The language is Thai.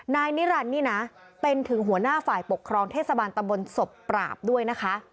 นายนิรันดินะเป็นถึงหัวหน้าฝ่ายปกครองเทศบาลตำบลศพปราบด้วยนะคะ